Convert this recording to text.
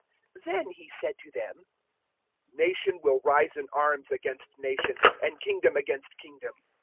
021:010 Then He said to them, "Nation will rise in arms against nation, and kingdom against kingdom.